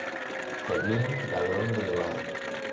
Fermín Ladrón de Guevara.